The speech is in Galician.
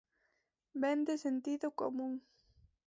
Vende sentido común.